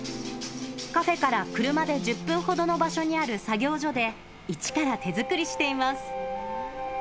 カフェから車で１０分ほどの場所にある作業所で、一から手作りしています。